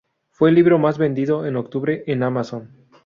Fue el libro más vendido en octubre en Amazon.